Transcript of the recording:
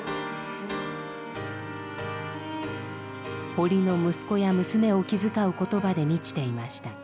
堀の息子や娘を気遣う言葉で満ちていました。